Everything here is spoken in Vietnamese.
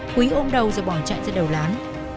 quý ôm đầu rồi bỏ chạy ra đầu lán